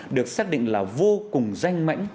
được xác định là vô cùng danh mảnh